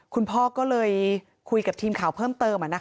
คุณพ่อก็เลยคุยกับทีมข่าวเพิ่มเติม